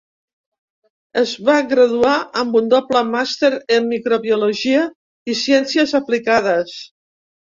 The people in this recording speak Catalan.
Es va graduar amb un doble màster en microbiologia i ciències aplicades.